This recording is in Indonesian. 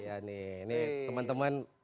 halo teman teman mahasiswa undib